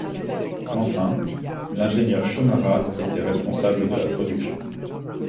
Enfin l’ingénieur Chaumarat était responsable de la production.